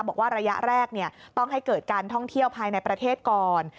บอกว่าระยะแรกต้องให้เกิดการท่องเที่ยวภายในประเทศก่อน